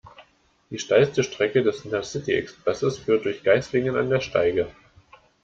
Die steilste Strecke des Intercity-Expresses führt durch Geislingen an der Steige.